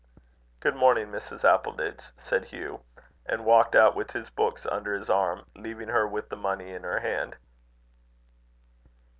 "Good morning, Mrs. Appleditch," said Hugh; and walked out with his books under his arm, leaving her with the money in her hand.